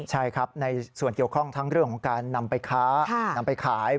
ใช่ครับในส่วนเกี่ยวข้องทั้งเรื่องของการนำไปค้านำไปขาย